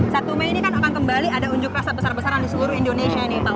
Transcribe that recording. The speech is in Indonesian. satu mei ini kan akan kembali ada unjuk rasa besar besaran di seluruh indonesia nih pak